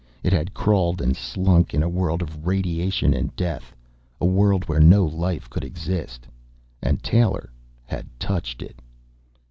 It had crawled and slunk in a world of radiation and death, a world where no life could exist. And Taylor had touched it!